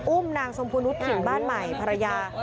อุ้มนางสมพุนุธผิงบ้านใหม่ภรรยา